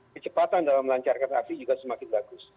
kecepatan dalam melancarkan aksi juga semakin bagus